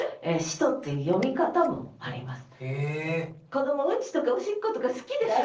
子どもうんちとかおしっことか好きでしょう？